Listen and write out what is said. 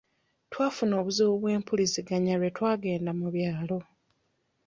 Twafuna obuzibu bw'empuliziganya lwe twagenda mu byalo.